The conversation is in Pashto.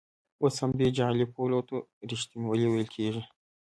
اوس همدې جعلي پولو ته ریښتینولي ویل کېږي.